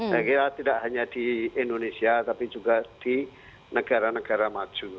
saya kira tidak hanya di indonesia tapi juga di negara negara maju